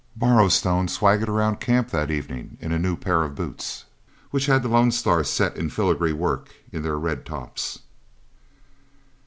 Borrowstone swaggered around camp that evening in a new pair of boots, which had the Lone Star set in filigree work in their red tops.